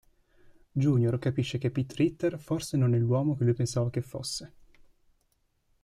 Junior capisce che Pete Ritter forse non è l'uomo che lui pensava che fosse.